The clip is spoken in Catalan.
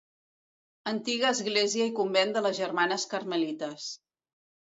Antiga església i convent de les Germanes Carmelites.